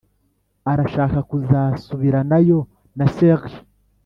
arashaka kuzasubiranayo na serije."